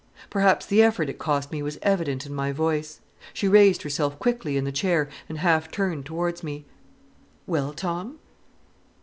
Perhaps the effort it cost me was evident in my voice. She raised herself quickly in the chair and half turned towards me. "Well, Tom?"